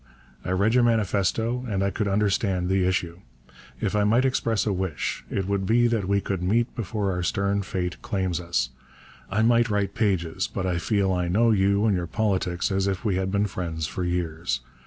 I read your manifesto and I could understand the issue. If I might express a wish, it would be that we could meet before our stern fate claims us. I might write pages, but I feel I know you and your politics as if we had been friends for years.